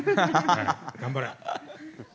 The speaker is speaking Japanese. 頑張れ。